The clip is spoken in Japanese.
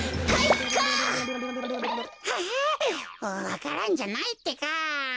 あわか蘭じゃないってか。